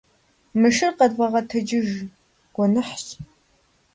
Мы шыр къэдвгъэгъэтэджыж, гуэныхьщ.